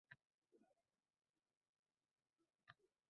Meni tabriklab qo‘y, endi men abad